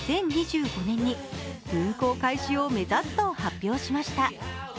２０２５年に運航開始を目指すと発表しました。